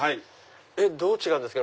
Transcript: どう違うんですか？